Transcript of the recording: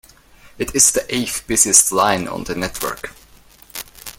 It is the eighth-busiest line on the network.